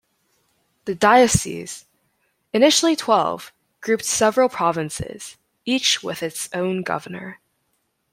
The dioceses, initially twelve, grouped several provinces, each with its own governor.